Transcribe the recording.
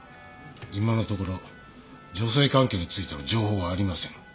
今のところ女性関係についての情報はありません。